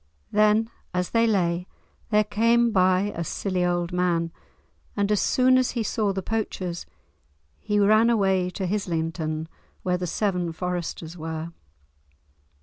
Then as they lay, there came by a silly old man, and, as soon as he saw the poachers, he ran away to Hislinton, where the Seven Foresters were.